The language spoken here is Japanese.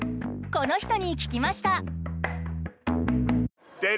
この人に聞きました。